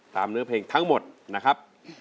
เนื้อเพลงทั้งหมดนะครับ